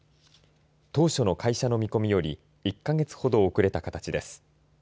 当初の会社の見込みより１か月ほど遅れた形です。